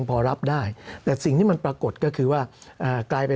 สำหรับกำลังการผลิตหน้ากากอนามัย